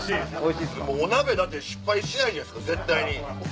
お鍋失敗しないじゃないですか絶対に。